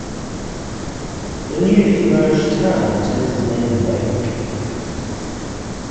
The newly merged town retains the name 'Wake'.